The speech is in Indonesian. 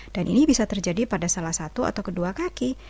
dan ini bisa terjadi pada salah satu atau kedua kaki